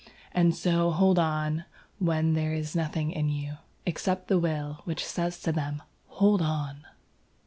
And so hold on when there is nothing in you Except the Will which says to them: 'Hold on!'